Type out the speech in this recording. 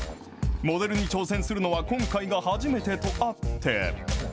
モデルに挑戦するのは今回が初めてとあって。